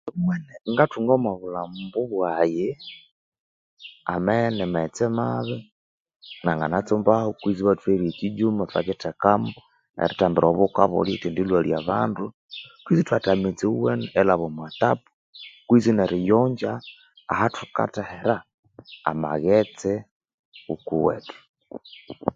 Ngathunga womobulhambo bwayi amabya inimaghetse mabi nangana tsumbawo kwesi ibathuhererya ekyijuma inakyithekamu erithambira obuhuka bulya erithendilhwalya abandu kwisi ithwatheha amaghetse awuwene erilhaba omwa tapu, kwesi neriyongya ahathukathehera amaghetse wukuwethu.